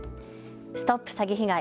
ＳＴＯＰ詐欺被害！